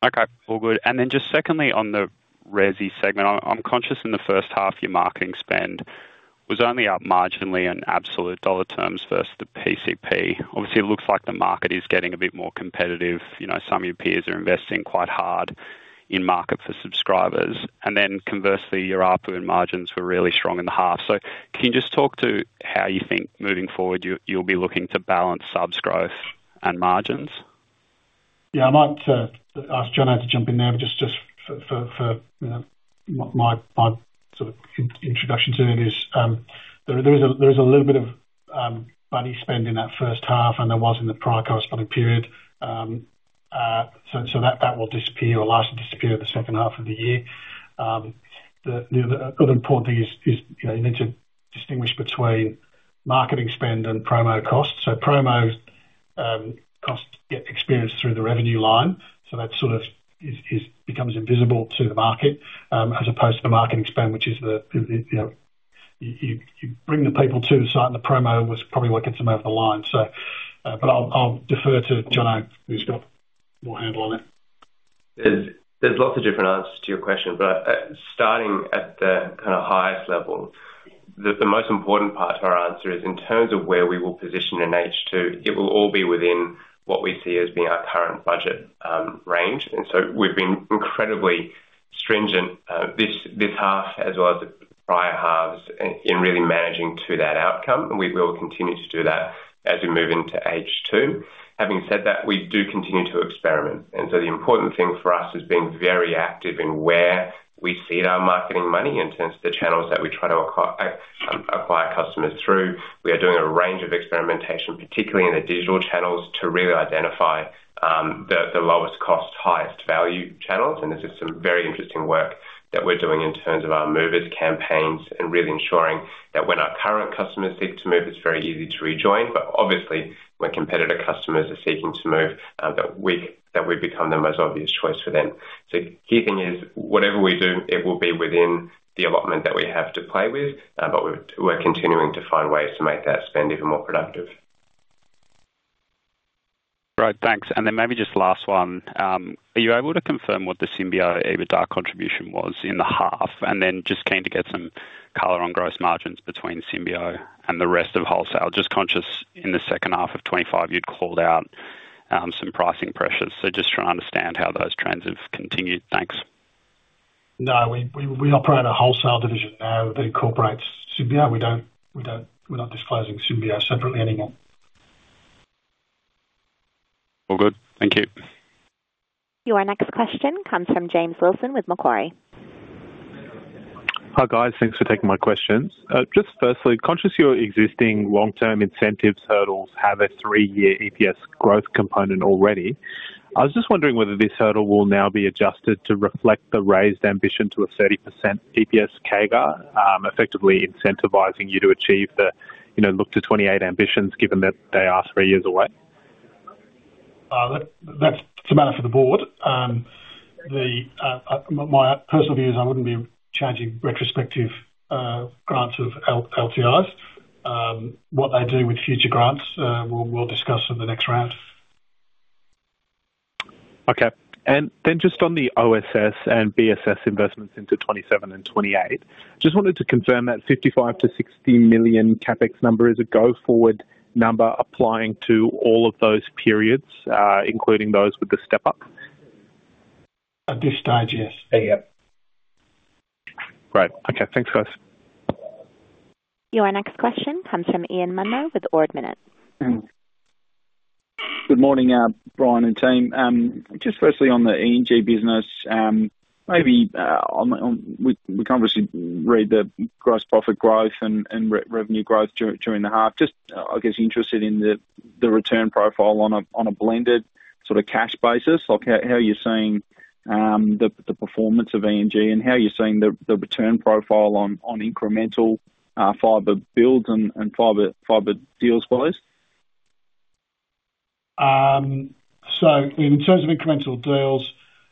Okay, all good. Just secondly, on the resi segment, I'm conscious in the first half, your marketing spend was only up marginally in absolute AUD dollar terms versus the PCP. Obviously, it looks like the market is getting a bit more competitive. You know, some of your peers are investing quite hard in market for subscribers, and then conversely, your ARPU margins were really strong in the half. Can you just talk to how you think moving forward, you'll be looking to balance subs growth and margins? Yeah, I might ask Jon to jump in there, but just, just for, for, for, you know, my, my sort of introduction to it is, there, there is a, there is a little bit of money spent in that first half, and there was in the prior corresponding period. That, that will disappear or largely disappear in the second half of the year. The, the other important thing is, is, you know, you need to distinguish between marketing spend and promo costs. Promo costs get experienced through the revenue line, so that sort of is, is, becomes invisible to the market, as opposed to the marketing spend, which is the, the, you know, you, you, you bring the people to the site, and the promo was probably what gets them over the line. But I'll, I'll defer to Jon, who's got more handle on it. There's, there's lots of different answers to your question, but, starting at the kind of highest level, the, the most important part to our answer is in terms of where we will position in H2, it will all be within what we see as being our current budget, range. So we've been incredibly stringent, this, this half as well as the prior halves in, in really managing to that outcome. We will continue to do that as we move into H2. Having said that, we do continue to experiment. The important thing for us is being very active in where we seed our marketing money in terms of the channels that we try to acquire customers through. We are doing a range of experimentation, particularly in the digital channels, to really identify, the, the lowest cost, highest value channels. There's just some very interesting work that we're doing in terms of our movers campaigns and really ensuring that when our current customers seek to move, it's very easy to rejoin. Obviously, when competitor customers are seeking to move, that we, that we become the most obvious choice for them. The key thing is whatever we do, it will be within the allotment that we have to play with, but we're, we're continuing to find ways to make that spend even more productive. Great. Thanks. Then maybe just last one. Are you able to confirm what the Symbio EBITDA contribution was in the half? Then just keen to get some color on gross margins between Symbio and the rest of wholesale. Just conscious in the second half of 2025, you'd called out, some pricing pressures. Just trying to understand how those trends have continued. Thanks. No, we operate a wholesale division now that incorporates Symbio. We don't. We're not disclosing Symbio separately anymore. All good. Thank you. Your next question comes from James Wilson with Macquarie. Hi, guys. Thanks for taking my questions. Just firstly, conscious of your existing long-term incentive hurdles have a three-year EPS growth component already. I was just wondering whether this hurdle will now be adjusted to reflect the raised ambition to a 30% EPS CAGR, effectively incentivizing you to achieve the, you know, Look to 2028 ambitions given that they are three years away? That, that's a matter for the board. My, my personal view is I wouldn't be changing retrospective grants of LTIs. What they do with future grants, we'll discuss in the next round. Okay. Just on the OSS and BSS investments into 2027 and 2028, just wanted to confirm that 55 million-60 million CapEx number is a go-forward number applying to all of those periods, including those with the step up? At this stage, yes. Yeah. Great. Okay. Thanks, guys. Your next question comes from Ian Munro with Ord Minnett. Good morning, Brian and team. Just firstly, on the E&G business, maybe on, we can obviously read the gross profit growth and revenue growth during the half. Just, I guess, interested in the return profile on a blended sort of cash basis, like how are you seeing the performance of E&G and how are you seeing the return profile on incremental fiber builds and fiber deals wise? In terms of incremental deals,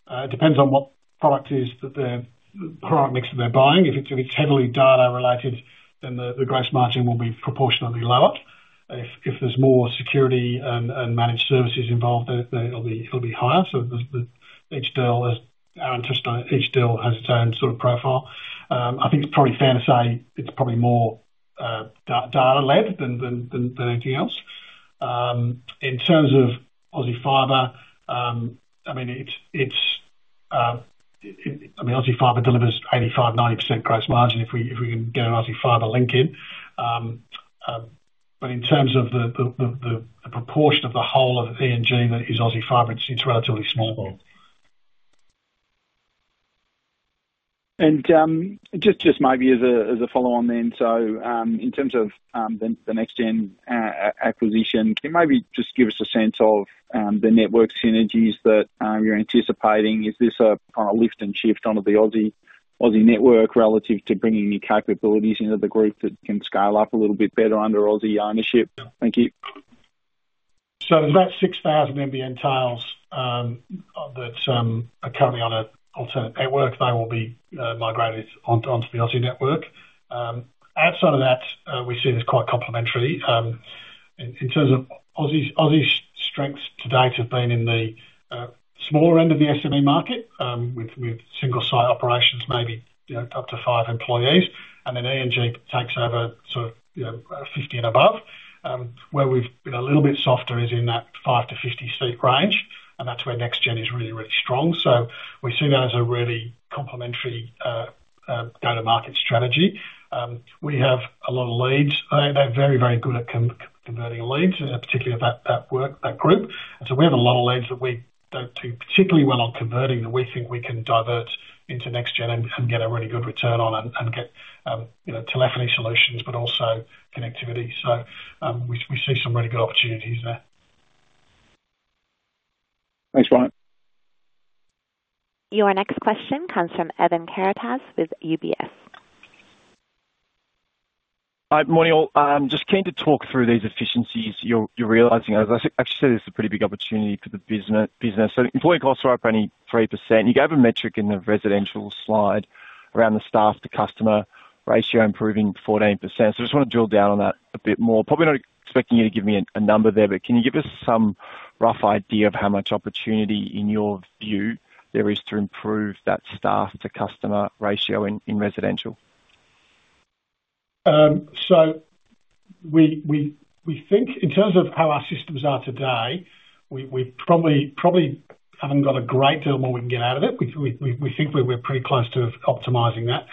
it depends on what product mix that they're buying. If it's heavily data related, then the gross margin will be proportionately lower. If there's more security and managed services involved, then it'll be higher. Our interest on each deal has its own sort of profile. I think it's probably fair to say it's probably more data-led than anything else. In terms of Aussie Fibre, I mean, Aussie Fibre delivers 85%-90% gross margin if we can get an Aussie Fibre link in. In terms of the, the, the, the, the proportion of the whole of E&G that is Aussie Fibre, it's, it's relatively small. Just, just maybe as a, as a follow on then, in terms of the Nexgen acquisition, can you maybe just give us a sense of the network synergies that you're anticipating? Is this a kind of lift and shift onto the Aussie, Aussie network relative to bringing new capabilities into the group that can scale up a little bit better under Aussie ownership? Thank you. That 6,000 NBN tails that are currently on an alternate network, they will be migrated onto, onto the Aussie network. Outside of that, we see this quite complementary. In, in terms of Aussie's, Aussie's strengths to date have been in the smaller end of the SME market with, with single site operations, maybe, you know, up to 5 employees. Then E&G takes over sort of, you know, 50 and above. Where we've been a little bit softer is in that 5-50 seat range, and that's where Nexgen is really, really strong. We see that as a really complementary go-to-market strategy. We have a lot of leads. They, they're very, very good at converting leads, and particularly that, that work, that group. So we have a lot of leads that we don't do particularly well on converting, that we think we can divert into Nexgen and, and get a really good return on and, and get, you know, telephony solutions, but also connectivity. We, we see some really good opportunities there. Thanks, Brian. Your next question comes from Evan Karatzas with UBS. Hi. Morning, all. Just keen to talk through these efficiencies you're, you're realizing. As I said, actually, this is a pretty big opportunity for the business. Employee costs are up only 3%. You gave a metric in the residential slide. Around the staff to customer ratio improving 14%. I just want to drill down on that a bit more. Probably not expecting you to give me a number there, but can you give us some rough idea of how much opportunity, in your view, there is to improve that staff to customer ratio in residential? We, we, we think in terms of how our systems are today, we, we probably, probably haven't got a great deal more we can get out of it. We, we, we think we're pretty close to optimizing that.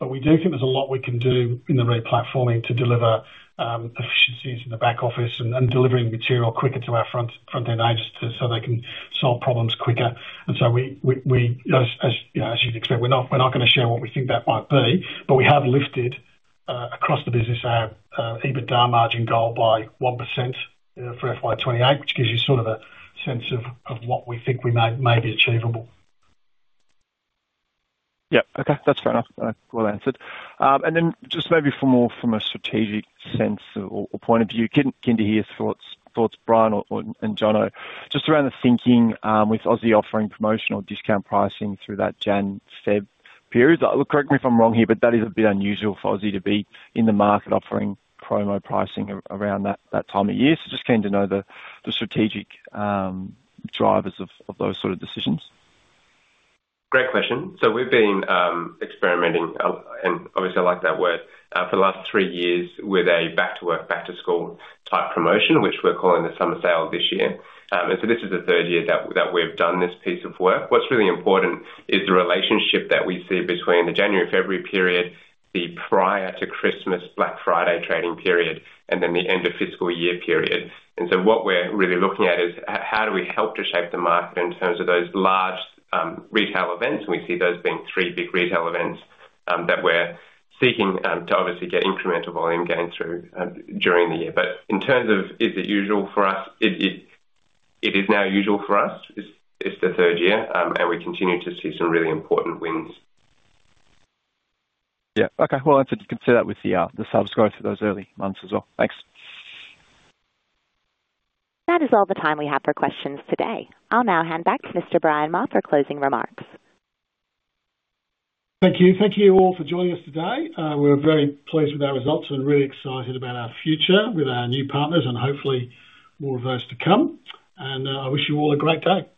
We do think there's a lot we can do in the replatforming to deliver efficiencies in the back office and delivering material quicker to our front, front-end agents so they can solve problems quicker. We, we, we, as, as, you know, as you'd expect, we're not, we're not gonna share what we think that might be, but we have lifted across the business our EBITDA margin goal by 1% for FY 2028, which gives you sort of a sense of what we think we may, may be achievable. Yeah. Okay, that's fair enough. well answered. Then just maybe from more from a strategic sense or point of view, keen to hear your thoughts, Brian or Jon, just around the thinking with Aussie offering promotional discount pricing through that January, February period. Look, correct me if I'm wrong here, but that is a bit unusual for Aussie to be in the market offering promo pricing around that time of year. Just keen to know the strategic drivers of those sort of decisions. Great question. We've been experimenting, and obviously I like that word, for the last three years with a back to work, back to school type promotion, which we're calling the summer sale this year. This is the third year that we've done this piece of work. What's really important is the relationship that we see between the January-February period, the prior to Christmas, Black Friday trading period, and then the end of fiscal year period. What we're really looking at is how do we help to shape the market in terms of those large retail events, and we see those being three big retail events that we're seeking to obviously get incremental volume going through during the year. In terms of is it usual for us, it is now usual for us. It's, it's the third year, and we continue to see some really important wins. Yeah. Okay, well, I said you can see that with the, the subscribe to those early months as well. Thanks. That is all the time we have for questions today. I'll now hand back to Mr. Brian Maher for closing remarks. Thank you. Thank you all for joining us today. We're very pleased with our results and really excited about our future with our new partners and hopefully more of those to come. I wish you all a great day. Thank you.